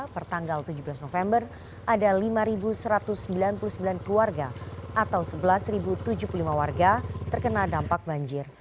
pertanggal tujuh belas november ada lima satu ratus sembilan puluh sembilan keluarga atau sebelas tujuh puluh lima warga terkena dampak banjir